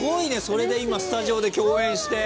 それで今スタジオで共演して。